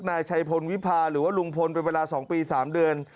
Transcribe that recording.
นายชัยพลวิพาหรือว่าลุงพลเป็นเวลา๒ปี๓เดือน